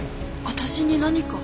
私に何か？